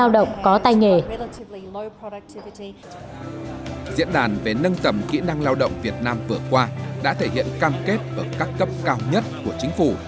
diễn đàn về nâng tầm kỹ năng lao động việt nam vừa qua đã thể hiện cam kết ở các cấp cao nhất của chính phủ